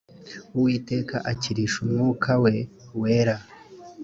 uwiteka akirisha umwuka we wera